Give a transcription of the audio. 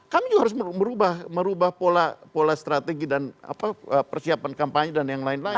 kami juga harus merubah pola strategi dan persiapan kampanye dan yang lain lain